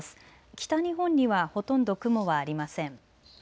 北日本にはほとんど雲はありません。